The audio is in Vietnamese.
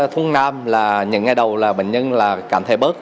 thuốc nam là những ngày đầu bệnh nhân cảm thấy bớt